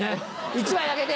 １枚あげて。